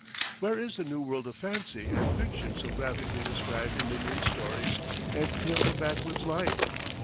Where is the New World of fancy and fiction so graphically described in Indian stories and tales of backwoods life?